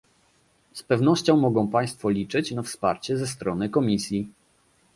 Z pewnością mogą państwo liczyć na wsparcie ze strony Komisji